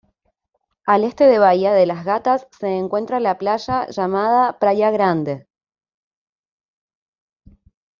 Al este de Bahía de las Gatas se encuentra la playa llamada "Praia Grande".